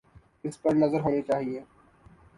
اس پہ نظر ہونی چاہیے۔